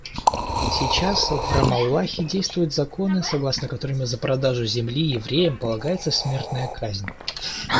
Сейчас в Рамаллахе действуют законы, согласно которым за продажу земли евреям полагается смертная казнь.